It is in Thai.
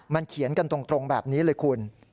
มันเขียนกันตรงแบบนี้เลยคุณ